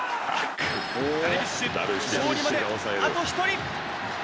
ダルビッシュ勝利まであと１人！